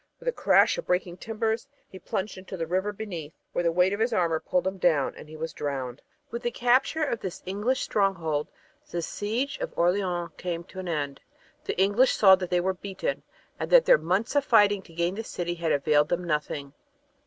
With a crash of breaking timbers he plunged into the river beneath, where the weight of his armor pulled him down and he was drowned. With the capture of this English stronghold the siege of Orleans came to an end. The English saw that they were beaten and that their months of fighting to gain the city had availed them nothing.